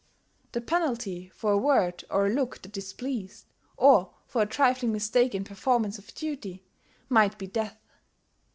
The penalty for a word or a look that displeased, or for a trifling mistake in performance of duty, might be death.